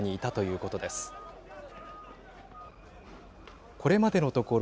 これまでのところ